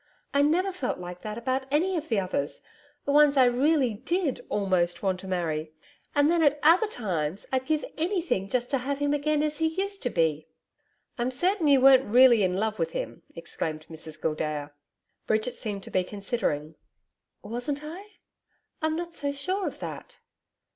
I never felt like that about any of the others the ones I really did ALMOST want to marry. And then at other times I'd give ANYTHING just to have him again as he used to be.' 'I'm certain you weren't really in love with him,' exclaimed Mrs Gildea. Bridget seemed to be considering. 'Wasn't I? I'm not so sure of that.